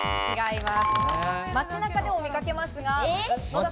街中でも見かけますが。